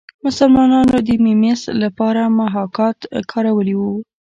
مسلمانانو د میمیسیس لپاره محاکات کارولی دی